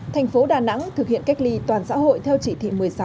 thành phố đà nẵng thực hiện cách ly toàn xã hội theo chỉ thị một mươi sáu